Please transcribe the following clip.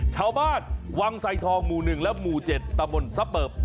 ชาวบ้านวังไสทองหมู่หนึ่งและหมู่เจ็ดตะบนซับเปิบ